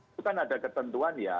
itu kan ada ketentuan ya